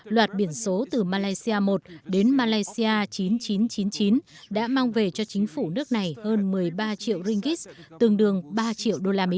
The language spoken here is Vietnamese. loạt biển số từ malaysia i đến malaysia chín nghìn chín trăm chín mươi chín đã mang về cho chính phủ nước này hơn một mươi ba triệu ringgit tương đương ba triệu đô la mỹ